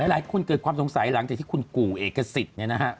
หลายคนเกิดความสงสัยหลังจากที่คุณกู่เอกสิทธิ์เนี่ยนะฮะ